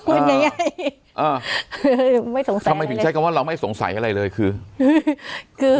อ่าไม่สงสัยทำไมผิดใช้คำว่าเราไม่สงสัยอะไรเลยคือคือ